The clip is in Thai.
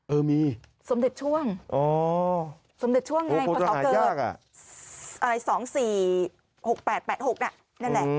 เออมีสมเด็จช่วงสมเด็จช่วงไงพศเกิด๒๔๖๘๘๖น่ะนั่นแหละ